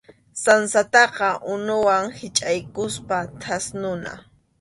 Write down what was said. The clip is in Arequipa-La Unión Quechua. Sansataqa unuwan hichʼaykuspa thasnuna.